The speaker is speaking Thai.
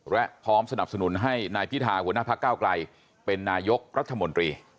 และพร้อมสนับสนุนให้นายพิธาหัวหน้าพระเก้าไกลเป็นนายกรัฐมนตรี